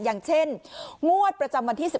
อย่างเช่นงวดประจำวันที่๑